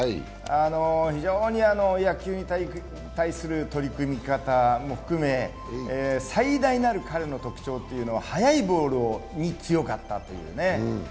非常に野球に対する取り組み方も含め最大なる彼の特徴というのは、速いボールに強かったというね。